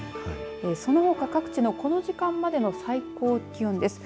そのほか各地のこの時間までの最高気温です。